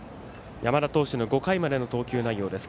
山田投手の５回までの投球内容です。